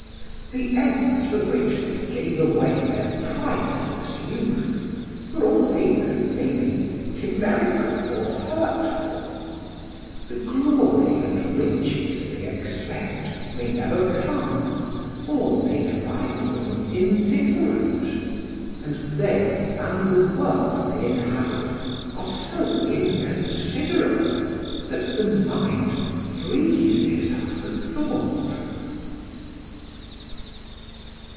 The ends for which they give away their priceless youth, for all they know, may be chimerical or hurtful; the glory and riches they expect may never come, or may find them indifferent; and they and the world they inhabit are so inconsiderable that the mind freezes at the thought.